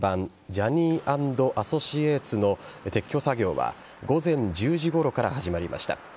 ジャニー＆アソシエイツの撤去作業は午前１０時ごろから始まりました。